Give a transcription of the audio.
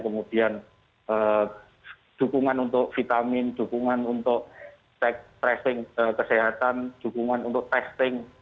kemudian dukungan untuk vitamin dukungan untuk tracing kesehatan dukungan untuk testing